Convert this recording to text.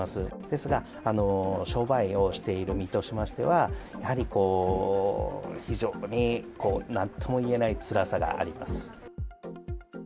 ですが、商売をしている身としましては、やはりこう、非常になんともいえないつらさがあります。